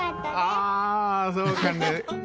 ああそうかね。